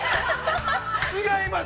違います。